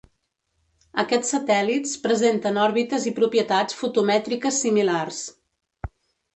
Aquests satèl·lits presenten òrbites i propietats fotomètriques similars.